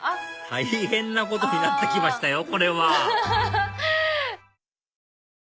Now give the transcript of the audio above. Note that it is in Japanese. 大変なことになってきましたよ